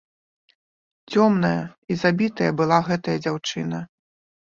Цёмная і забітая была гэтая дзяўчына.